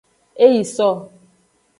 E yi so.